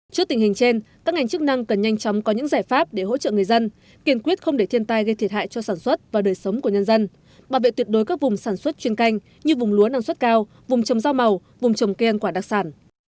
trước tình hình trên các ngành chức năng cần nhanh chóng có những giải pháp để hỗ trợ người dân kiên quyết không để thiên tai gây thiệt hại cho sản xuất và đời sống của nhân dân bảo vệ tuyệt đối các vùng sản xuất chuyên canh như vùng lúa năng suất cao vùng trồng rau màu vùng trồng cây ăn quả đặc sản